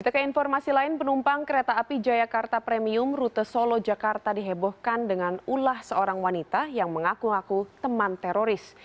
kita ke informasi lain penumpang kereta api jayakarta premium rute solo jakarta dihebohkan dengan ulah seorang wanita yang mengaku ngaku teman teroris